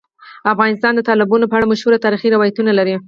افغانستان د تالابونو په اړه مشهور تاریخی روایتونه لري.